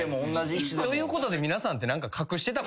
ということで皆さんって何か。